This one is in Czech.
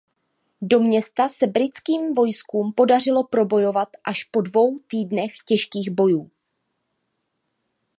Do města se britským vojskům podařilo probojovat až po dvou týdnech těžkých bojů.